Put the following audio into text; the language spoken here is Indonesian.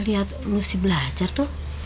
lihat lucy belajar tuh